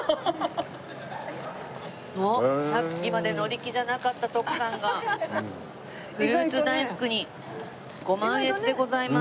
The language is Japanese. おっさっきまで乗り気じゃなかった徳さんがフルーツ大福にご満悦でございます。